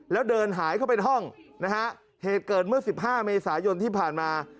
แล้วเดินหายเข้าไปในห้องนะฮะเหตุเกิดเมื่อ๑๕เมษายนที่ผ่านมา